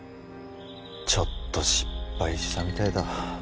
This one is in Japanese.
ちょっと失敗したみたいだ